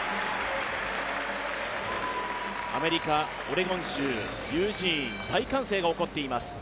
アメリカ・オレゴン州ユージーン、大歓声が起こっています。